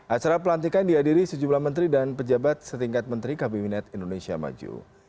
acara pelantikan dihadiri sejumlah menteri dan pejabat setingkat menteri kabinet indonesia maju